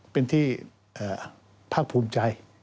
เป็นที่พลักษณ์ภูมิใจ